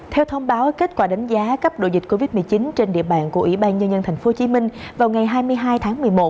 theo thông báo kết quả đánh giá cấp độ dịch covid một mươi chín trên địa bàn của ủy ban nhân dân tp hcm vào ngày hai mươi hai tháng một mươi một